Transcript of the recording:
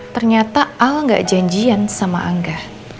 ternyata al gak janjian sama angga